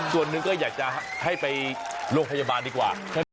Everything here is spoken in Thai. ส่วนหนึ่งก็อยากจะให้ไปโรงพยาบาลดีกว่า